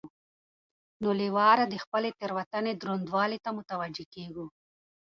نو له واره د خپلې تېروتنې درونوالي ته متوجه کېږو.